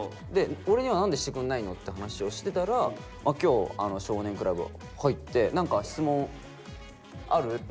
で「俺には何でしてくんないの？」って話をしてたら今日「少年倶楽部」入って何か質問ある？